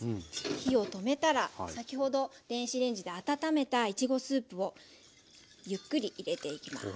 火を止めたら先ほど電子レンジで温めたいちごスープをゆっくり入れていきます。